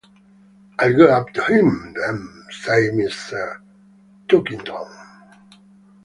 "I'll go up to him, then," says Mr. Tulkinghorn.